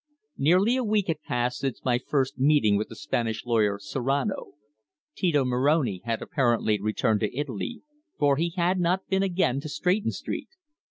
Nearly a week had passed since my first meeting with the Spanish lawyer Serrano. Tito Moroni had apparently returned to Italy, for he had not been again to Stretton Street.